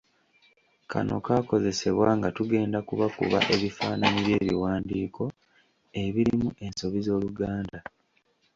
Kano kaakozesebwa nga tugenda kubakuba ebifaananyi by'ebiwandiiko ebirimu ensobi z'Oluganda.